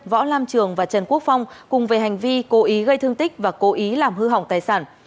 võ lam trường và trần quốc phong cùng về hành vi cố ý gây thương tích và cố ý làm hư hỏng tài sản